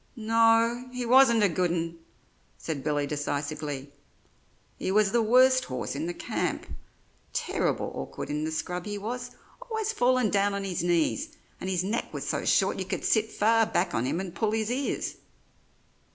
"No, he wasn't a good un," said Billy decisively, "he was the worst horse in the camp. Terrible awkward in the scrub he was, always fallin' down on his knees; and his neck was so short you could sit far back on him and pull his ears."